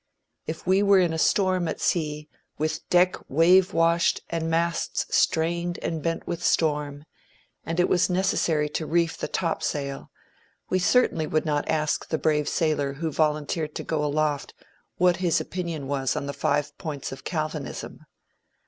If we were in a storm at sea, with deck wave washed and masts strained and bent with storm, and it was necessary to reef the top sail, we certainly would not ask the brave sailor who volunteered to go aloft, what his opinion was on the five points of Calvinism.